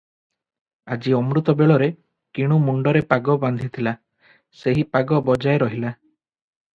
ଆଜି ଅମୃତବେଳରେ କିଣୁ ମୁଣ୍ଡରେ ପାଗ ବାନ୍ଧିଥିଲା, ସେହି ପାଗ ବଜାଏ ରହିଲା